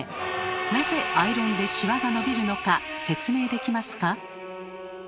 なぜアイロンでシワが伸びるのか説明できますか？